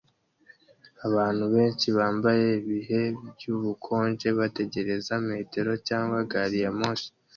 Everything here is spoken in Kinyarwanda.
Abantu benshi bambaye ibihe by'ubukonje bategereza metero cyangwa gari ya moshi